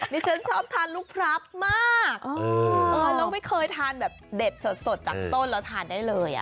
ฉันชอบทานลูกครับมากแล้วไม่เคยทานแบบเด็ดสดจากต้นแล้วทานได้เลย